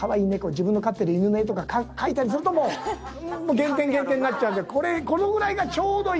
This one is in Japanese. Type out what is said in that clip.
自分の飼ってる犬の絵とか描いたりするともう減点減点になっちゃうのでこのぐらいがちょうどいいです。